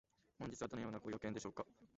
本日はどのようなご用件でしょうか？